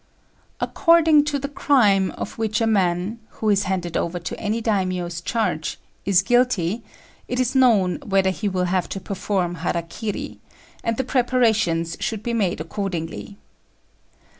According to the crime of which a man who is handed over to any Daimio's charge is guilty, it is known whether he will have to perform hara kiri; and the preparations should be made accordingly.